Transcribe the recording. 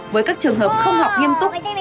với các trường hợp không học nghiêm túc